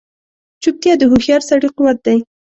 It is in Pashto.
چوپتیا، د هوښیار سړي قوت دی.